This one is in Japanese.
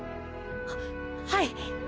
ははい！！